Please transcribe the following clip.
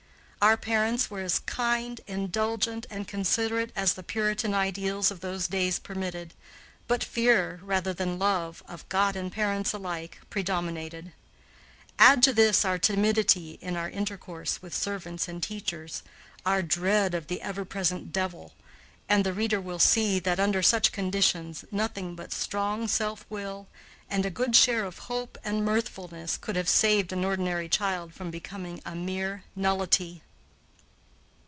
Our parents were as kind, indulgent, and considerate as the Puritan ideas of those days permitted, but fear, rather than love, of God and parents alike, predominated. Add to this our timidity in our intercourse with servants and teachers, our dread of the ever present devil, and the reader will see that, under such conditions, nothing but strong self will and a good share of hope and mirthfulness could have saved an ordinary child from becoming a mere nullity.